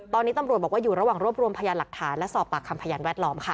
ตอนนี้ตำรวจบอกว่าอยู่ระหว่างรวบรวมพยานหลักฐานและสอบปากคำพยานแวดล้อมค่ะ